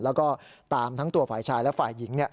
แล้วก็ตามทั้งตัวฝ่ายชายและฝ่ายหญิง